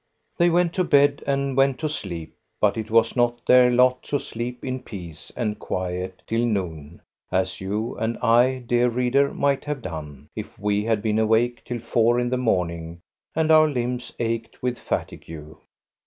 They went to bed, and went to sleep, but it was not their lot to sleep in peace and quiet till noon, as you and I, dear reader, might have done, if we had been awake till four in the morning and our limbs ached with fatigue.